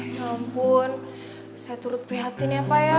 ya ampun saya turut prihatin ya pak ya